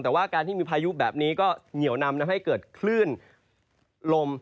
แต่ว่าการที่มีพายุแบบนี้ก็เหนียวนำทำให้เกิดคลื่นลม